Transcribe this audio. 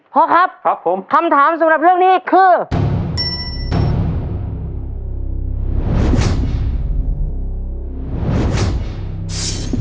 พ่อครับคำถามสำหรับเรื่องนี้คือครับผม